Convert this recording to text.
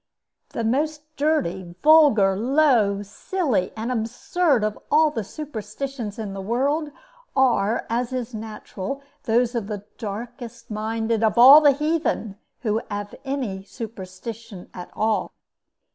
The most dirty, vulgar, low, silly and absurd of all the superstitions in the world are, as is natural, those of the darkest minded of all the heathen, who have any superstition at all.